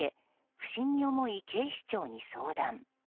不審に思い、警視庁に相談。